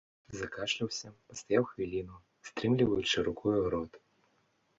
Закашляўся, пастаяў хвіліну, стрымліваючы рукою рот.